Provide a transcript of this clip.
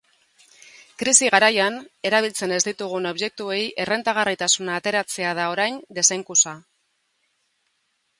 Krisi garaian, erabiltzen ez ditugun objektuei errentagarritasuna ateratzea da orain desenkusa.